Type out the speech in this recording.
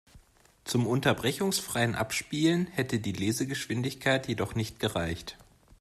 Zum unterbrechungsfreien Abspielen hätte die Lesegeschwindigkeit jedoch nicht gereicht.